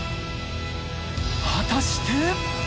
［果たして］